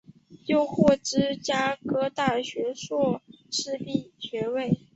又获芝加哥大学硕士学位。